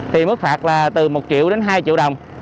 thì mức phạt là từ một triệu đến hai triệu đồng